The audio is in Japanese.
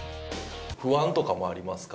不安とかもありますか？